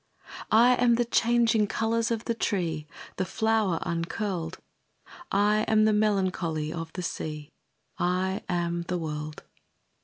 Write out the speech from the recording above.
I am the changing colours of the tree; The flower uncurled: I am the melancholy of the sea; I am the world.